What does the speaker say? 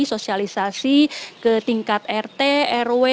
sosialisasi ke tingkat rt rw